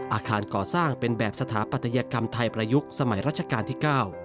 อาคารก่อสร้างเป็นแบบสถาปัตยกรรมไทยประยุกต์สมัยรัชกาลที่๙